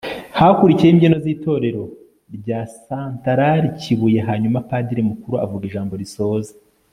hakurikiyeho imbyino z'itorero rya santarali kibuye, hanyuma padiri mukuru avuga ijambo risoza